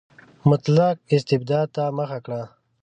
مطلق استبداد ته مخه کړه.